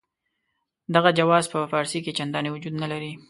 دغه جواز په فارسي کې چنداني وجود نه لري.